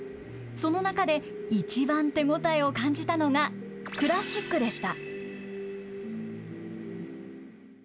その中で、一番手ごたえを感じたのがクラシックでした。